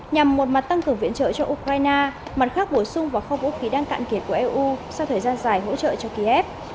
nhằm một mặt tăng cường viện trợ cho ukraine mặt khác bổ sung vào kho vũ khí đang cạn kiệt của eu sau thời gian dài hỗ trợ cho kiev